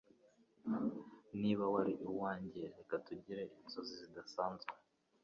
Niba wari uwanjye (reka tugire inzozi zidasanzwe)